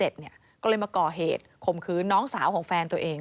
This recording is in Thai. ก็เลยมาก่อเหตุข่มขืนน้องสาวของแฟนตัวเอง